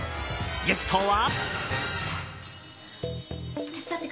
ゲストは。